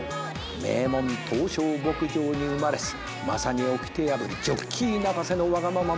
「名門トウショウ牧場に生まれしまさにおきて破り」「ジョッキー泣かせのわがまま娘。